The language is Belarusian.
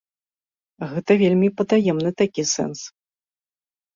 Гэта вельмі патаемны такі сэнс.